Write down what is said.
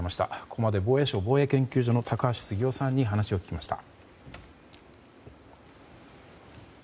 ここまで防衛省防衛研究所の高橋杉雄さんに話を聞きました。